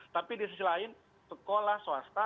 tapi di sisi lain sekolah swasta